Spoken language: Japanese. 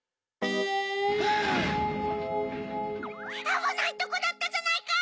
あぶないとこだったじゃないか！